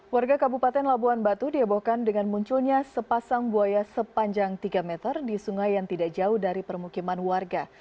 warga kabupaten labuan batu diebohkan dengan munculnya sepasang buaya sepanjang tiga meter di sungai yang tidak jauh dari permukiman warga